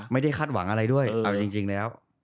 ไม่ได้คาดหวังอะไรด้วยเอาจริงแล้ว